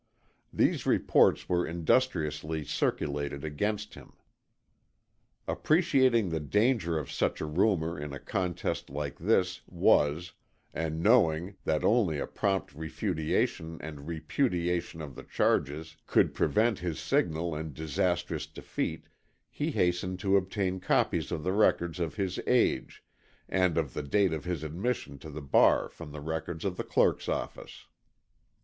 These reports were industriously circulated against him. Appreciating the danger of such a rumor in a contest like this was, and knowing that only a prompt refutation and repudiation of the charges could prevent his signal and disastrous defeat, he hastened to obtain copies of the records of his age, and of the date of his admission to the bar from the records of the Clerk's office.